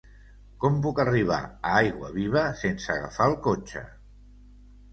Com puc arribar a Aiguaviva sense agafar el cotxe?